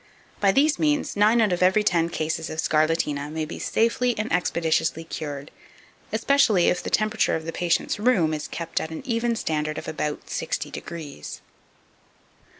By these means, nine out of every ten cases of scarlatina may be safely and expeditiously cured, especially if the temperature of the patient's room is kept at an even standard of about sixty degrees.